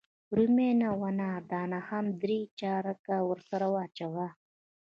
رومیان او انار دانه هم درې چارکه ورسره واچوه.